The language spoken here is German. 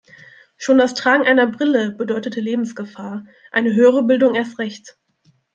Schon das Tragen einer Brille bedeutete Lebensgefahr, eine höhere Bildung erst recht.